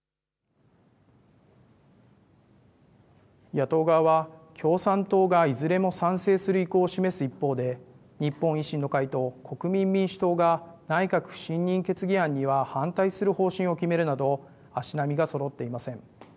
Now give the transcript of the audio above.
野党側は共産党がいずれも賛成する意向を示す一方で日本維新の会と国民民主党が内閣不信任決議案には反対する方針を決めるなど足並みがそろっていません。